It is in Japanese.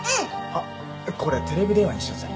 あっこれテレビ電話にしようぜ。